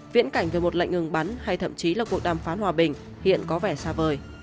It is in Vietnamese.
viễn cảnh về một lệnh ngừng bắn hay thậm chí là cuộc đàm phán hòa bình hiện có vẻ xa vời